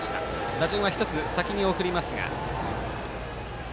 打順は１つ先に送りますが。